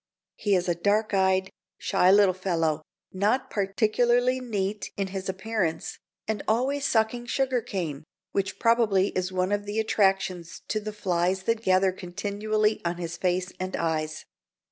He is a dark eyed, shy little fellow, not particularly neat in his appearance, and always sucking sugar cane, which probably is one of the attractions to the flies that gather continually on his face and eyes.